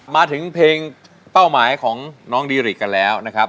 มาถึงเพลงเป้าหมายของน้องดีริกกันแล้วนะครับ